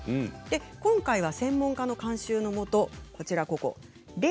今回は専門家の監修のもとこちらですね